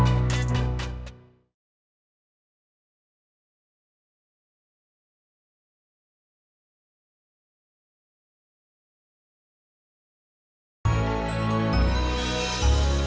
untuk nuts kan sih